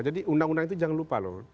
jadi undang undang itu jangan lupa loh